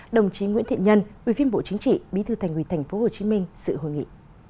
đồng chí nguyễn thị nhân ubnd tp hcm sự hội nghị